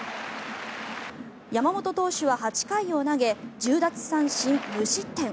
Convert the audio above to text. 山本投手は８回を投げ１０奪三振無失点。